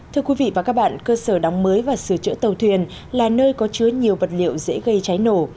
thưa quý vị và các bạn cơ sở đóng mới và sửa chữa tàu thuyền là nơi có chứa nhiều vật liệu dễ gây cháy nổ